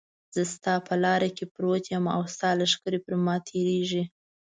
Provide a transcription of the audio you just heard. زه ستا په لاره کې پروت یم او ستا لښکرې پر ما تېرېږي.